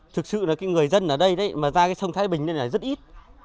thực sự là người dân ở đây mà ra sông thái bình này là rất ít